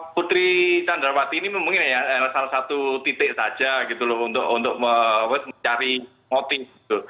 putri candrawati ini mungkin salah satu titik saja gitu loh untuk mencari motif